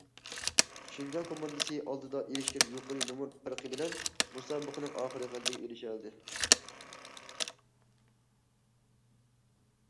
شىنجاڭ كوماندىسى ئالدىدا ئېرىشكەن يۇقىرى نومۇر پەرقى بىلەن، مۇسابىقىنىڭ ئاخىرىدا غەلىبىگە ئېرىشەلىدى.